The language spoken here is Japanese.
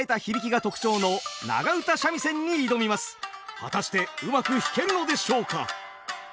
果たしてうまく弾けるのでしょうか。